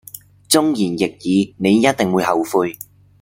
忠言逆耳你一定會後悔